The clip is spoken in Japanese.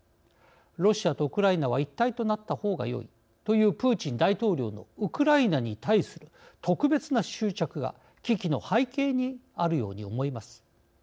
ロシアとウクライナは一体となったほうがよいというプーチン大統領のウクライナに対する特別な執着が危機の背景にあるように思います。